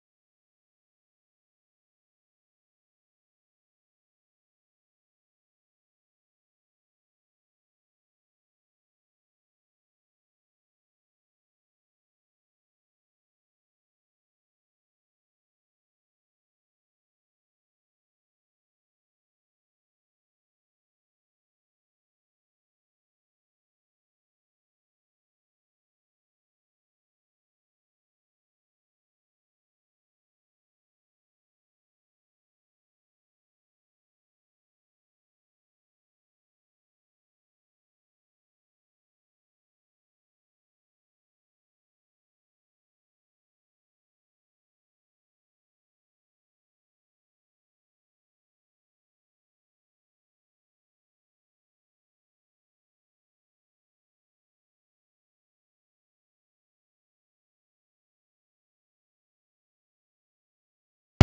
jangan menganggup kalau bukan keluarga